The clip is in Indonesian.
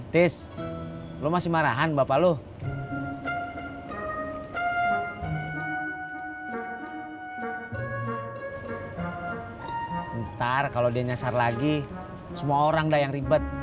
tes lu masih marahan bapak lu ntar kalau dia nyasar lagi semua orang dah yang ribet